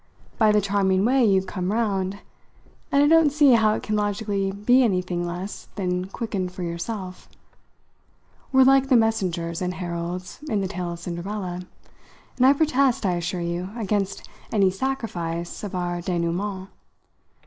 by the charming way you've come round; and I don't see how it can logically be anything less than quickened for yourself. We're like the messengers and heralds in the tale of Cinderella, and I protest, I assure you, against any sacrifice of our dénoûment.